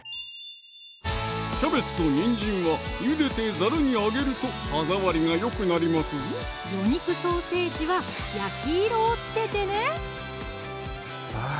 キャベツとにんじんは茹でてざるにあげると歯触りが良くなりますぞ魚肉ソーセージは焼き色をつけてねあぁ